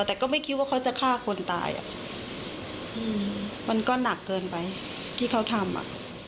แต่ก็ไม่คิดว่าเขาจะฆ่าคนตายอ่ะอืมมันก็หนักเกินไปที่เขาทำอ่ะ